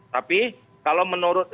tapi kalau menurut